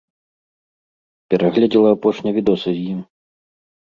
Перагледзела апошнія відосы з ім.